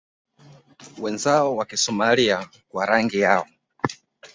wenzao wa Kisomailia kwa rangi yao